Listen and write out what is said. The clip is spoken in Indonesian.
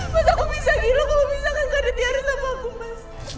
mas aku pisah gila kalau misah kan gak ada tiara sama aku mas